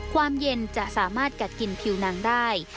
ความเย็นจะสามารถกัดกินผิวหนังได้